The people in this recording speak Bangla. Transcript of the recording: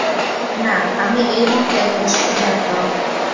নাহ, আমি এই মুহূর্তে বেশ ক্ষুধার্ত!